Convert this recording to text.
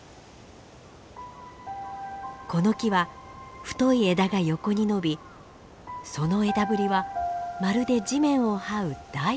この木は太い枝が横に伸びその枝ぶりはまるで地面をはう大蛇のよう。